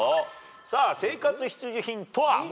さあ生活必需品とは？